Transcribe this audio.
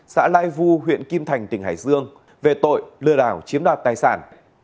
xã lai vu huyện kim thành tỉnh hải dương về tội lừa đảo chiếm đoạt tài sản